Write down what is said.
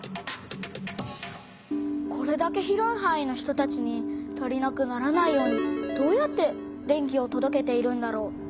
これだけ広いはんいの人たちに足りなくならないようにどうやって電気をとどけているんだろう？